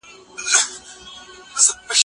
د هېواد بهرنیو پالیسي د ملي یووالي ملاتړ نه کوي.